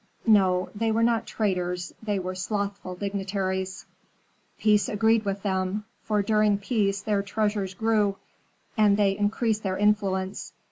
No, they were not traitors, they were slothful dignitaries. Peace agreed with them, for during peace their treasures grew, and they increased their influence.